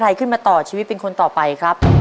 ใครขึ้นมาต่อชีวิตเป็นคนต่อไปครับ